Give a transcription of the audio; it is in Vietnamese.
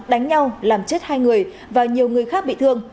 đánh nhau làm chết hai người và nhiều người khác bị thương